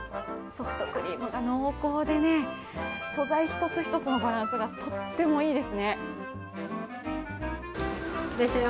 ソフトクリームが濃厚でね、素材一つ一つのバランスがとってもいいですね。